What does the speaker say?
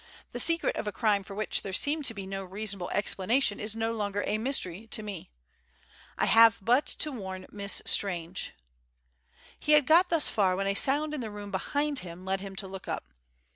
The secret of a crime for which there seemed to be no reasonable explanation is no longer a mystery to me. I have but to warn Miss Strange He had got thus far when a sound in the room behind him led him to look up.